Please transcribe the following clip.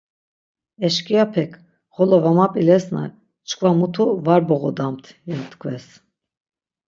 Eşkiyapek 'Xolo var map̌ilesna çkva mutu var boğodamt' ya tkves.